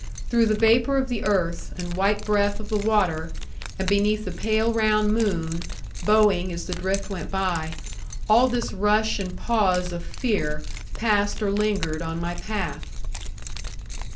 Through the vapour of the earth, and white breath of the water, and beneath the pale round moon (bowing as the drift went by), all this rush and pause of fear passed or lingered on my path.